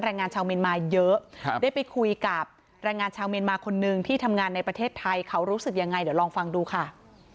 แรงงานชาวเมียนมาเยอะได้ไปคุยกับแรงงานชาวเมียนมาคนนึงที่ทำงานในประเทศไทยเขารู้สึกยังไงเดี๋ยวลองฟังดูค่ะ